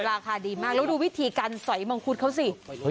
ราคาดีมากแล้วดูวิธีการสอยมังคุดเขาสิ